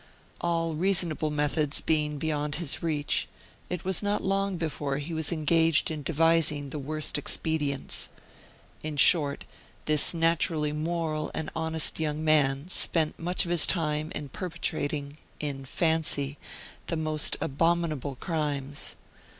All reasonable methods being beyond his reach, it was not long before he was engaged in devising the worst expedients. In short, this naturally moral and honest young man spent much of his time in perpetrating in fancy the most abominable crimes.